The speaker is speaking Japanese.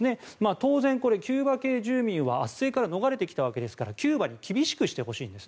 当然、キューバ系住民は圧政から逃れてきたわけですからキューバに厳しくしてほしいわけです。